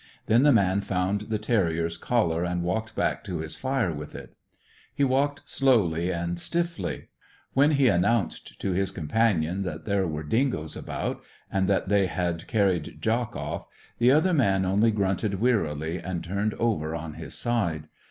Then the man found the terrier's collar, and walked back to his fire with it. He walked slowly and stiffly. When he announced to his companion that there were dingoes about, and that they had carried Jock off, the other man only grunted wearily, and turned over on his side.